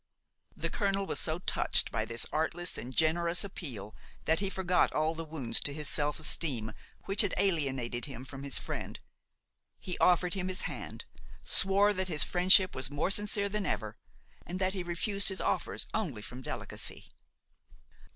The colonel was so touched by this artless and generous appeal that he forgot all the wounds to his self esteem which had alienated him from his friend. He offered him his hand, swore that his friendship was more sincere than ever, and that he refused his offers only from delicacy.